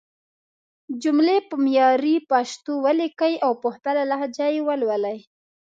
جملې په معياري پښتو وليکئ او په خپله لهجه يې ولولئ!